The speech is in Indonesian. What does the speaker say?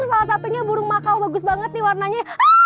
salah satunya burung makau bagus banget nih warnanya